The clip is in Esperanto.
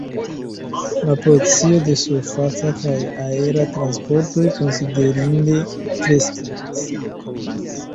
La porcio de surfaca kaj aera transportoj konsiderinde kreskis.